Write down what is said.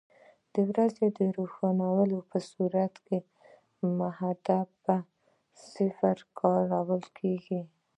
د ورځې د روښنایي په صورت کې محدبه صفحه کارول کیږي.